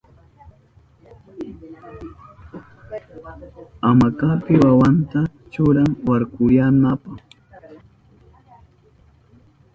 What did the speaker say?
Hamakapi wawanta churan warkurinanpa.